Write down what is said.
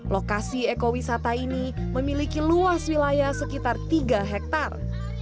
lokasi ekowisata ini memiliki luas wilayah sekitar tiga hektare